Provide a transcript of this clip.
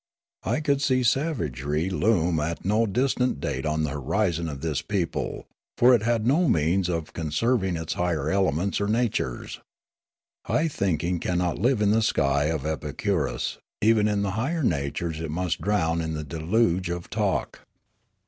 I could see savagery loom at no 176 Riallaro distant date on the horizon of this people, for it had no means of conserving its higher elements or natures. High thinking cannot live in the st}' of Epicurus ; even in the higher natures it must drown in the deluge of talk.